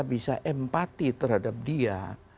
bisa empati terhadap dia